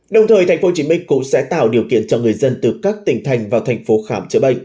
đồng thời tp hcm cũng sẽ tạo điều kiện cho người dân từ các tỉnh thành vào tp hcm chữa bệnh